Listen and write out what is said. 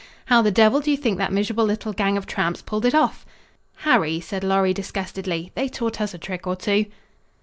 How the devil do you think that miserable little gang of tramps pulled it off?" "Harry," said Lorry disgustedly, "they taught us a trick or two."